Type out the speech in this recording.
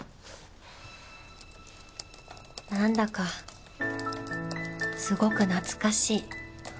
なんだかすごく懐かしい